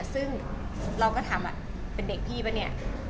ซึ่งเราก็ถามว่าเป็นเด็กพี่ปะเนี่ย